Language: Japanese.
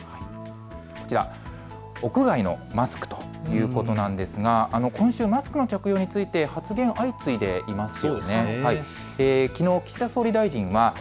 こちら屋外のマスクということなんですが今週、マスクの着用について発言が相次いでいます。